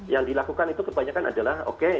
yang dilakukan itu kebanyakan adalah oke